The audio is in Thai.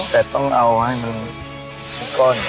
แต่ต้องเอาให้ก่อน